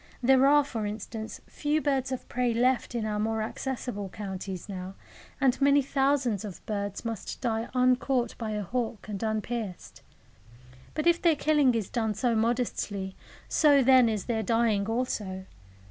There are, for instance, few birds of prey left in our more accessible counties now, and many thousands of birds must die uncaught by a hawk and unpierced. But if their killing is done so modestly, so then is their dying also.